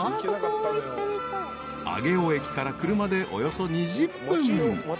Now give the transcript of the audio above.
［上尾駅から車でおよそ２０分］